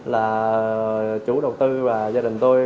là chủ đầu tư và gia đình tôi